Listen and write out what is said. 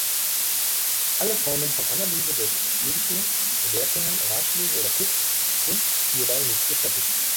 Alle Formen von Analyse des Spielgeschehens, Wertungen, Ratschläge oder Tipps sind hierbei nicht gestattet.